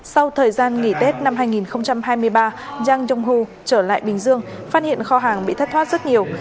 sau thời gian nghỉ tết năm hai nghìn hai mươi ba yang jong ho trở lại bình dương phát hiện kho hàng bị thất thoát rất nhiều